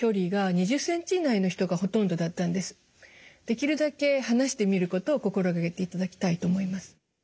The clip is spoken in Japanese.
できるだけ離して見ることを心がけていただきたいと思います。